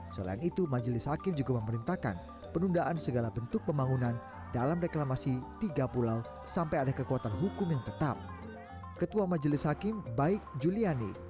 selain itu majelis hakim juga memerintahkan penundaan segala bentuk pembangunan dalam reklamasi tiga pulau sampai ada kekuatan